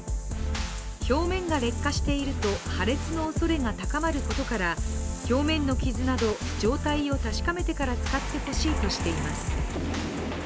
表面が劣化していると破裂のおそれが高まることから、表面の傷など、状態を確かめてから使ってほしいとしています。